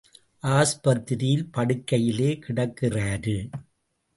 ஆஸ்பத்திரியில் படுக்கையிலே கிடக்கிறாரு!